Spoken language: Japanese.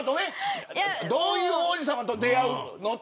どういう王子さまと出会うの、と。